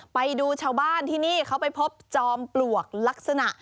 ไปดูชาวบ้านที่นี่เขาไปพบจอมปลวกลักษณะ